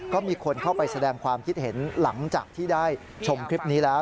ก็มีคนเข้าไปแสดงความคิดเห็นหลังจากที่ได้ชมคลิปนี้แล้ว